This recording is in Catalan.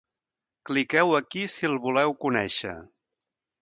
Cliqueu aquí si el voleu conèixer.